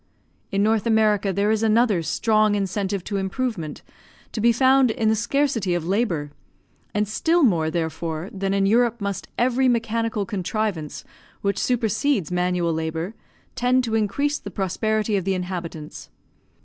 In North America there is another strong incentive to improvement, to be found in the scarcity of labour; and still more, therefore, than in Europe must every mechanical contrivance which supersedes manual labour tend to increase the prosperity of the inhabitants.